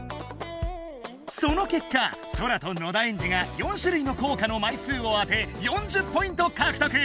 そのけっかソラと野田エンジが４しゅるいの硬貨の枚数を当て４０ポイントかくとく！